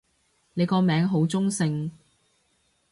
你個名好中性